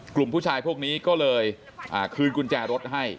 กลุ่มผู้ชายพวกนี้ก็เลยคืนกุญแจรถให้